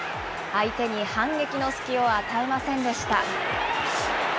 相手に反撃の隙を与えませんでした。